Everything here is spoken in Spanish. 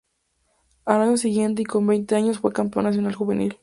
Al año siguiente y con veinte años fue campeón nacional juvenil.